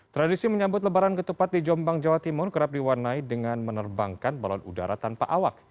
tradisi menyambut lebaran ketupat di jombang jawa timur kerap diwarnai dengan menerbangkan balon udara tanpa awak